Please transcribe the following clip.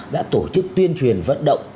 đã tổ chức tuyên truyền vận động